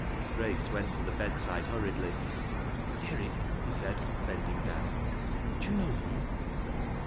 Grace went to the bedside hurriedl3^ '' Derrick," he said, bending down, " do you know me?"